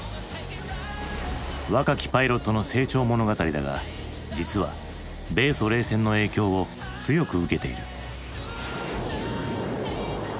若きパイロットの成長物語だが実は米ソ冷戦の影響を強く受けている。